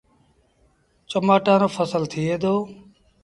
چمآٽآن رو ڦسل ٿئي دو۔